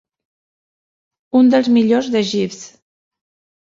Un dels millors de Jeeves.